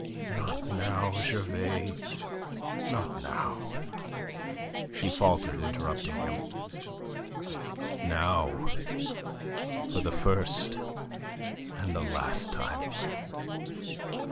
"Not now, Gervais! Not now!" she faltered, interrupting him. "Now for the first and the last time.